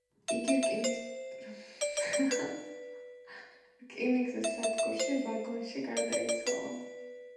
იგი რკინიგზის სადგურში, ვაგონში გარდაიცვალა.